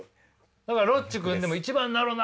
だからロッチ組んでも「一番なろな！」